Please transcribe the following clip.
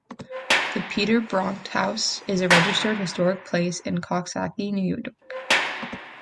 The Pieter Bronck House is a registered historic place in Coxsackie, New York.